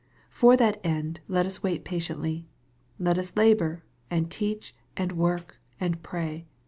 For that end let ua wait patiently. Let us labor, and teach, and work, and pray.